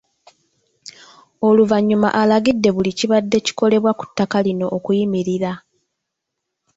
Oluvannyuma alagidde buli kibadde kukolebwa ku ttaka lino okuyimirira